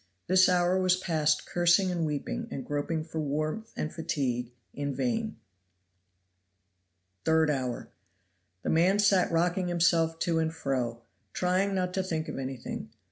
This hour was passed cursing and weeping and groping for warmth and fatigue in vain. Third hour. The man sat rocking himself to and fro, trying not to think of anything.